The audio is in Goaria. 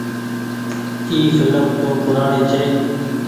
اي ڦلم تو پورآڻي ڇي۔